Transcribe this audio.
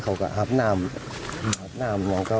กลับกลับบ้าน